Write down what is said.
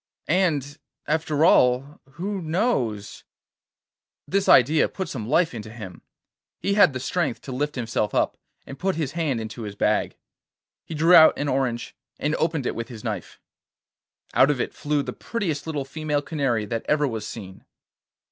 And, after all, who knows?' This idea put some life into him. He had the strength to lift himself up and put his hand into his bag. He drew out an orange and opened it with his knife. Out of it flew the prettiest little female canary that ever was seen.